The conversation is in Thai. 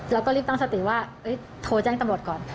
แล้วก็รีบตั้งสติว่าโทรแจ้งตำรวจก่อน